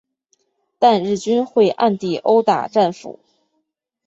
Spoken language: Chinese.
但日军会暗地殴打战俘。